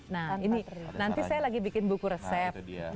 nah ini nanti saya lagi bikin buku resep